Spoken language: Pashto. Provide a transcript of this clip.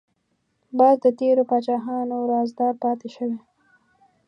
باز د تیرو پاچاهانو رازدار پاتې شوی